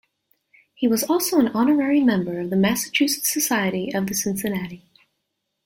He was also an honorary member of the Massachusetts Society of the Cincinnati.